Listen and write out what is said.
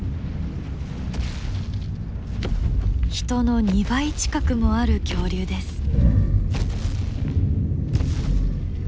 人の２倍近くもある恐竜です。